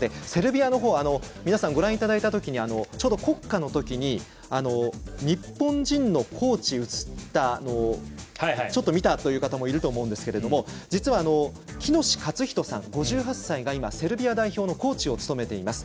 セルビアのほうご覧いただいて、国歌の時日本人のコーチ映ったのをちょっと見たっていう方もいると思うんですけど実は喜熨斗勝史さん、５８歳がセルビア代表のコーチを務めています。